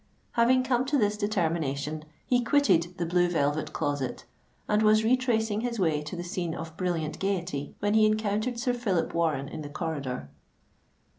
Having come to this determination, he quitted the Blue Velvet Closet, and was retracing his way to the scene of brilliant gaiety, when he encountered Sir Phillip Warren in the corridor.